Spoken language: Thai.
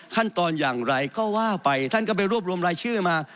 ขั้นตอนอย่างไรก็ว่าไปท่านก็ไปรวบรวมรายชื่อมา